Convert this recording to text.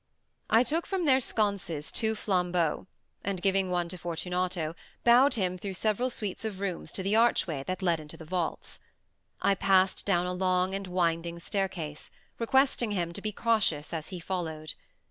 I took from their sconces two flambeaux, and giving one to Fortunato, bowed him through several suites of rooms to the archway that led into the vaults. I passed down a long and winding staircase, requesting him to be cautious as he followed.